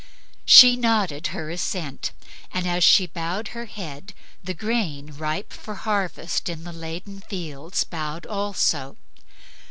She nodded her assent, and as she bowed her head the grain ripe for harvest in the laden fields bowed also.